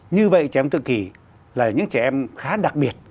như vậy trẻ em tự kỳ là những trẻ em khá đặc biệt